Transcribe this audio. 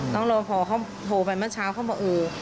นางราพรเขาโทรไปมาเช้าเขาบอกเออ